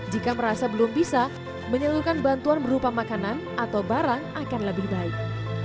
jika merasa belum bisa menyeluruhkan bantuan berupa makanan atau barang akan lebih baik